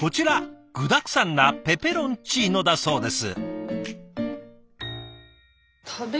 具だくさんなペペロンチーノだそうです。